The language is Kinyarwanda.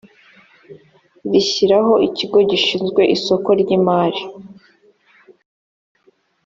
rishyiraho ikigo gishinzwe isoko ry imari